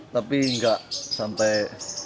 tapi tidak sampai